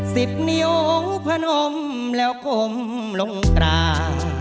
สิบนิวพนมแล้วคงลงกรา